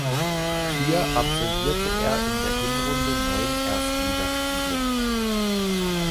Hier absolvierte er in der Hinrunde neun Erstligaspiele.